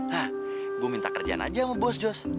hah gue minta kerjaan aja sama bos cos